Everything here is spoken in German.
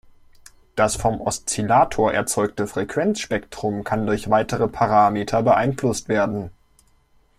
Das vom Oszillator erzeugte Frequenzspektrum kann durch weitere Parameter beeinflusst werden.